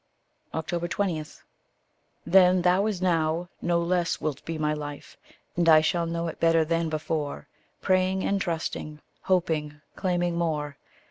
20. Thou, then as now, no less wilt be my life, And I shall know it better than before, Praying and trusting, hoping, claiming more.